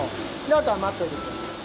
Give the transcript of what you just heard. あとはまっといてください。